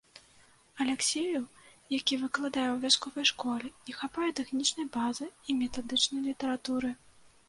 Аляксею, які выкладае ў вясковай школе, не хапае тэхнічнай базы і метадычнай літаратуры.